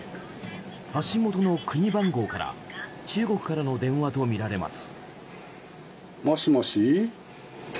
発信元の国番号から中国からの電話とみられます。